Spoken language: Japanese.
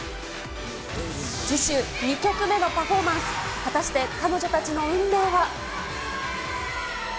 次週２曲目のパフォーマンス、果たして彼女たちの運命は。